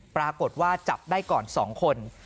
ปรากฏว่าจับได้ก่อน๒คน